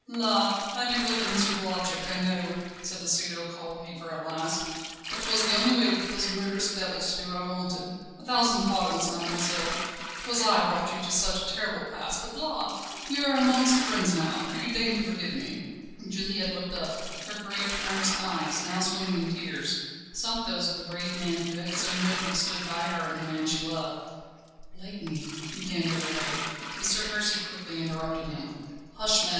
"La! I do look a miserable object, I know," said the pseudo coal heaver at last, "but 'twas the only way to get those murderous devils to do what I wanted. A thousand pardons, mademoiselle; 'twas I brought you to such a terrible pass, but la! you are amongst friends now. Will you deign to forgive me?" Juliette looked up. Her great, earnest eyes, now swimming in tears, sought those of the brave man who had so nobly stood by her and the man she loved. "Blakeney ..." began Déroulède. But Sir Percy quickly interrupted him: "Hush, man!